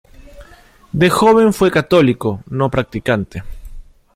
De joven fue católico no practicante.